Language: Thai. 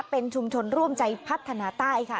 เป็นชุมชนร่วมใจพัฒนาใต้ค่ะ